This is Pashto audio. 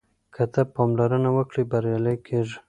که ته پاملرنه وکړې بریالی کېږې.